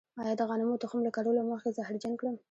آیا د غنمو تخم له کرلو مخکې زهرجن کړم؟